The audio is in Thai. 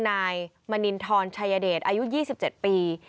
นายมณินทรชายเดชอายุ๒๗ปี